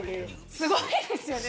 すごいですよね。